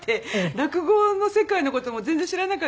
落語の世界の事も全然知らなかったんですよ。